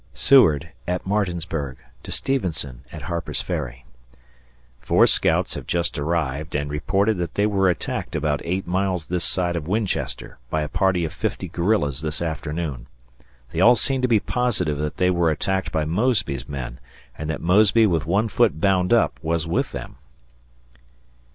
[Seward, at Martinsburg, to Stevenson, at Harper's Ferry] Four scouts have just arrived and reported that they were attacked about eight miles this side of Winchester by a party of fifty guerrillas this afternoon. They all seem to be positive that they were attacked by Mosby's men and that Mosby with one foot bound up was with them.